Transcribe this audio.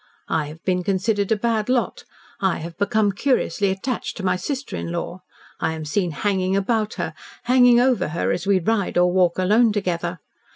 I have been considered a bad lot. I have become curiously attached to my sister in law. I am seen hanging about her, hanging over her as we ride or walk alone together.